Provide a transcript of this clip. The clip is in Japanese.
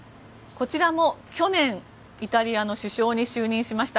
こちらも去年イタリアの首相に就任しました。